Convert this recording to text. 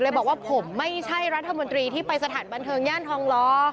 บอกว่าผมไม่ใช่รัฐมนตรีที่ไปสถานบันเทิงย่านทองล้อ